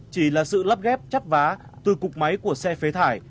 chỉ là sự lắp ghép chắp vá từ cục máy của xe phế thải